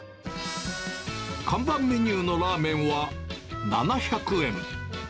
看板メニューのラーメンは、７００円。